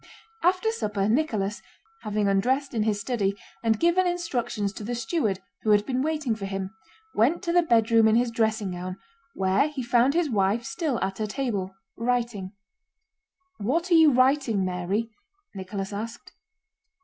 After supper Nicholas, having undressed in his study and given instructions to the steward who had been waiting for him, went to the bedroom in his dressing gown, where he found his wife still at her table, writing. "What are you writing, Mary?" Nicholas asked.